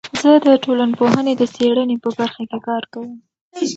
زه د ټولنپوهنې د څیړنې په برخه کې کار کوم.